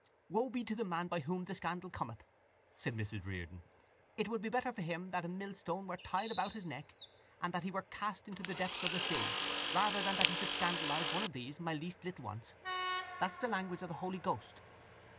—Woe be to the man by whom the scandal cometh! said Mrs Riordan. _It would be better for him that a millstone were tied about his neck and that he were cast into the depths of the sea rather than that he should scandalise one of these, my least little ones._ That is the language of the Holy Ghost.